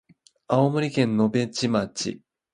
青森県野辺地町